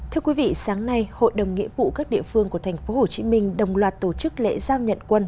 thưa quý vị sáng nay hội đồng nghĩa vụ các địa phương của tp hcm đồng loạt tổ chức lễ giao nhận quân